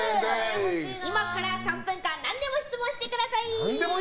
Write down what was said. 今から３分間何でも質問してください。